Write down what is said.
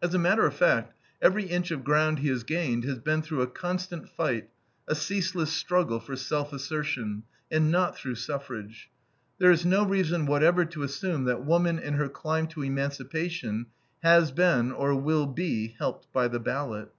As a matter of fact, every inch of ground he has gained has been through a constant fight, a ceaseless struggle for self assertion, and not through suffrage. There is no reason whatever to assume that woman, in her climb to emancipation, has been, or will be, helped by the ballot.